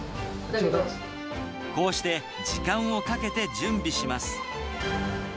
ちょこうして、時間をかけて準備します。